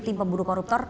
tim pemburu koruptor